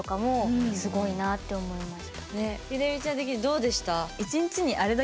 ちゃん的にどうでした？